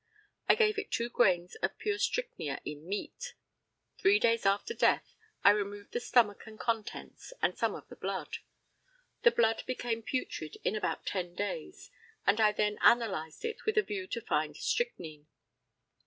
I gave it two grains of pure strychnia in meat. Three days after death I removed the stomach and contents, and some of the blood. The blood became putrid in about 10 days, and I then analysed it with a view to find strychnine.